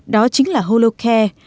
đó chính là holocare